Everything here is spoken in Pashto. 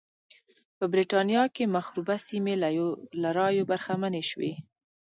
په برېټانیا کې مخروبه سیمې له رایو برخمنې شوې.